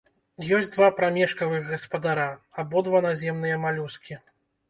Ёсць два прамежкавых гаспадара, абодва наземныя малюскі.